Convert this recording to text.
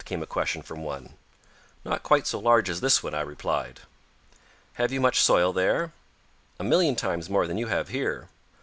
came a question from one. "Not quite so large as this one," I replied. "Have you much soil there?" "A million times more than you have here."